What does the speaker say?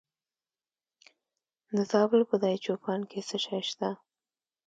د زابل په دایچوپان کې څه شی شته؟